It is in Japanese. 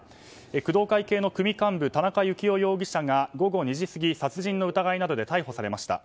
工藤会系の組幹部田中幸雄容疑者が午後２時過ぎ、殺人の疑いなどで逮捕されました。